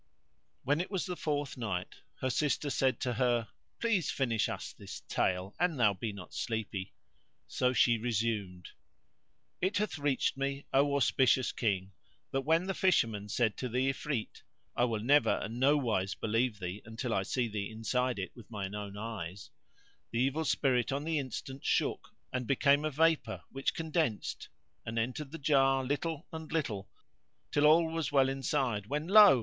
When it was the Fourth Night, Her sister said to her, "Please finish us this tale, an thou be not sleepy!" so she resumed:—It hath reached me, O auspicious King, that when the Fisherman said to the Ifrit, "I will never and nowise believe thee until I see thee inside it with mine own eyes;" the Evil Spirit on the instant shook[FN#75] and became a vapour, which condensed, and entered the jar little and little, till all was well inside when lo!